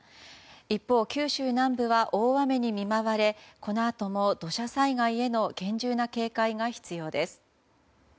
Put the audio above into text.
一方、九州南部は大雨に見舞われこのあとも土砂災害へ厳重な警戒が必要です。